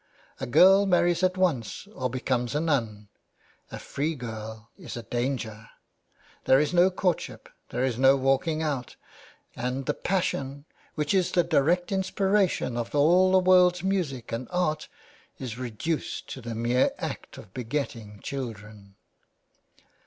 A girl marries at once or becomes a nun — a free girl is a 416 THE WAY BACK. danger. There is no courtship, there is no walking out, and the passion which is the direct inspiration of all the world's music and art is reduced to the mere act of begetting children."